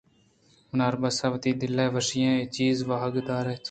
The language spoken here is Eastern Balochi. بناربس وتی دل ءِ وشی ءَاے چیز ءِ واہگ دار اِنت